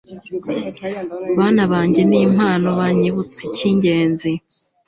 bana banjye ni impano, banyibutsa icy'ingenzi